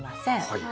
はい。